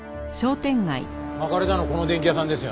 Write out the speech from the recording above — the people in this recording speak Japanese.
まかれたのこの電器屋さんですよね。